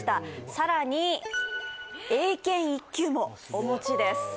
さらに英検１級もお持ちです・へえ